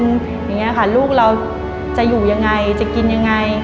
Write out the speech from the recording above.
อีกอย่างนั้นค่ะลูกเราจะอยู่อย่างไรจะกินอย่างไร